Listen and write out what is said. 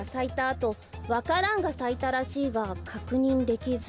あとわか蘭がさいたらしいがかくにんできず」。